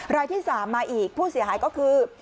รายที่๓มาอีกผู้เสียหายก็คือ